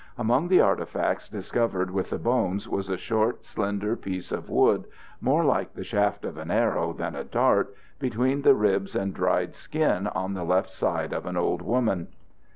Among the artifacts discovered with the bones was a short, slender piece of wood, more like the shaft of an arrow than a dart, between the ribs and dried skin on the left side of an old woman.